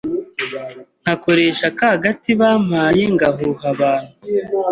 nkakoreha ka gati bampaye ngahuha abantu